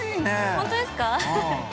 ◆本当ですか。